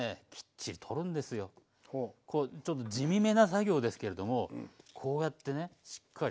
こうちょっと地味めな作業ですけれどもこうやってねしっかり。